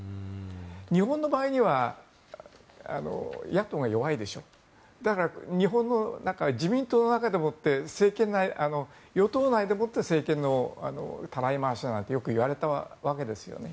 日本の場合には野党が弱いでしょだから日本の自民党の中でもって与党内でもって政権のたらい回しだなんてよくいわれたわけですよね。